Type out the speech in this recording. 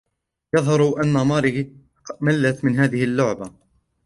يظهر أن ماري ملّتْ من هذه اللعبة.